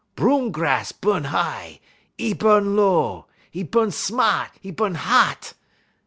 Broom grass bu'n high, 'e bu'n low; 'e bu'n smaht, 'e bu'n hot.